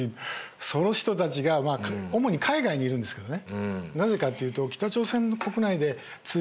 その人たちがおもに海外にいるんですけどね。